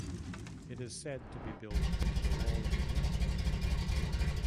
It is said to be built into the wall of a mill.